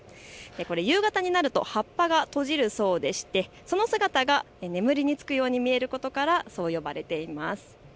夕方になると葉っぱが閉じるそうでしてその姿が眠りにつくように見えることから、そう呼ばれています。